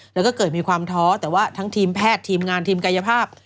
แล้วก็เกิดมีความท้อแต่ว่าทั้งทีมแพทย์ทีมงานทีมกายภาพ